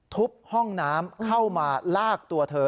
ห้องน้ำเข้ามาลากตัวเธอ